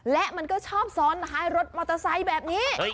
และมันก็ชอบซ้อนท้ายรถมอเตอร์ไซค์แบบนี้